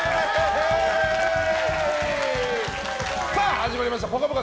始まりました「ぽかぽか」